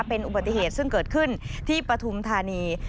เป็นอุบัติเหตุซึ่งเกิดขึ้นที่ปฐุมธานี